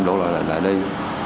đổ lại lại đây